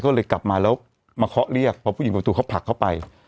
ก็เลยกลับมาแล้วมาเคาะเรียกพอผู้หญิงประตูเขาผลักเข้าไป